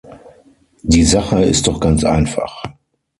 Die Sache ist doch ganz einfach.